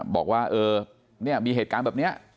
บอกว่ามีเหตุการณ์แบบนี้